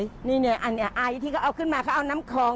อันนี้ไอที่เขาเอาขึ้นมาเขาเอาน้ำคอง